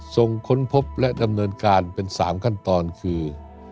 ค้นพบและดำเนินการเป็น๓ขั้นตอนคือ